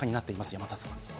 山里さん。